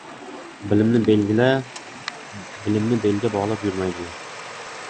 • Bilimni belga bog‘lab yurmaydilar.